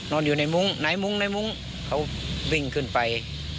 นอนอยู่ในมุ้งในมุ้งในมุ้งเขาวิ่งขึ้นไป